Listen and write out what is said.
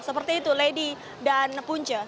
seperti itu lady dan punca